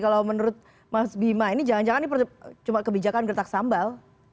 kalau menurut mas bima ini jangan jangan ini cuma kebijakan gertak sambal